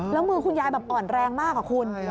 แล้วมือคุณยายแบบอ่อนแรงมากอะคุณ